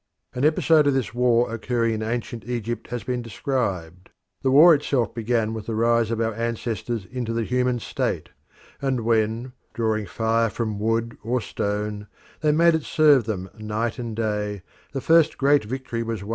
An episode of this war occurring in ancient Egypt has been described; the war itself began with the rise of our ancestors into the human state, and when, drawing fire from wood or stone, they made it serve them night and day the first great victory was won.